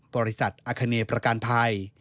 บริษัทอาคเนประกันภัย